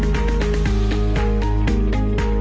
กลับมาที่นี่